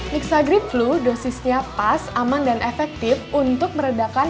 mixagrip flu dosisnya pas aman dan efektif untuk meredakan